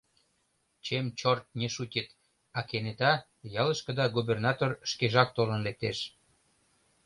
Чем чорт не шутит, а кенета ялышкыда губернатор шкежак толын лектеш.